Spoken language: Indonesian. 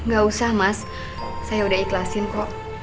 gak usah mas saya udah ikhlasin kok